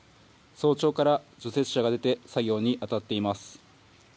早朝から除雪車が出て、作業に当たっています。